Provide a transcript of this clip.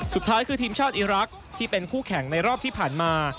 สุดท้ายคือทีมชาติอีรักษ์ที่เป็นคู่แข่งในรอบที่ผ่านมา